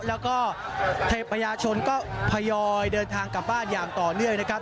แล้วก็ประชาชนก็ทยอยเดินทางกลับบ้านอย่างต่อเนื่องนะครับ